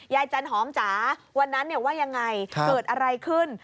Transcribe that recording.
จันหอมจ๋าวันนั้นว่ายังไงเกิดอะไรขึ้น